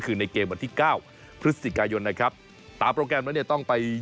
ก็มีสิทธิ์เปรียบตำแหน่งตัวจริงได้